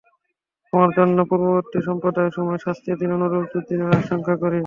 আমি তোমাদের জন্য পূর্ববর্তী সম্প্রদায়সমূহের শাস্তির দিনের অনুরূপ দুর্দিনের আশংকা করি।